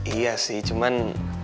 iya sih cuman